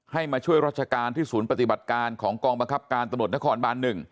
มาช่วยราชการที่ศูนย์ปฏิบัติการของกองบังคับการตำรวจนครบาน๑